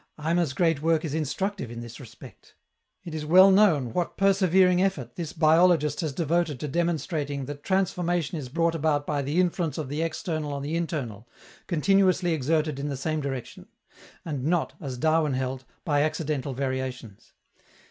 Eimer's great work is instructive in this respect. It is well known what persevering effort this biologist has devoted to demonstrating that transformation is brought about by the influence of the external on the internal, continuously exerted in the same direction, and not, as Darwin held, by accidental variations.